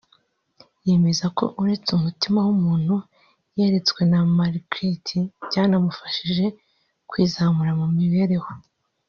yemeza ko uretse umutima w’ubumuntu yeretswe na Margrit byanamufashije kwizamura mu mibereho